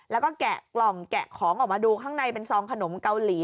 แล้วก็แกะกล่องแกะของออกมาดูข้างในเป็นซองขนมเกาหลี